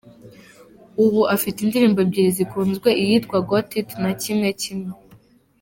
Ubu afite indirimbo ebyiri zikunzwe iyitwa ‘Got It’ na ‘Kimwe Kimwe’.